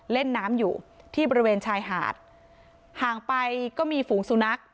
เล่นน้ำอยู่ที่บริเวณชายหาดห่างไปก็มีฝูงสุนัข